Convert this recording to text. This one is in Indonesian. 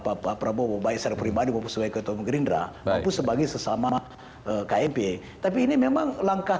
prabowo baisar prima diwapus oleh ketua gerindra maupun sebagai sesama kmp tapi ini memang langkah